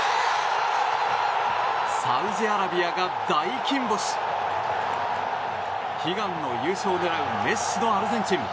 サウジアラビアが大金星！悲願の優勝を狙うメッシのアルゼンチン。